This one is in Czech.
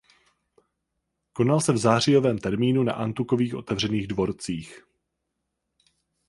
Konal se v zářijovém termínu na antukových otevřených dvorcích.